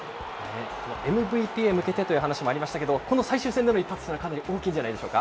ＭＶＰへ向けてという話もありましたけど、この最終戦での一発は、かなり大きいんじゃないですか。